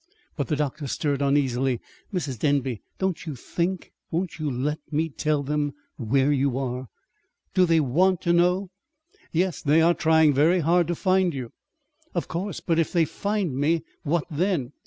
But " The doctor stirred uneasily. "Mrs. Denby, don't you think Won't you let me tell them where you are?" "Do they want to know?" "Yes. They are trying very hard to find you." "Of course. But if they find me what then?